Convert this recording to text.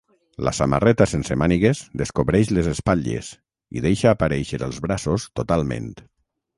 La samarreta sense mànigues descobreix les espatlles, i deixa aparèixer els braços totalment.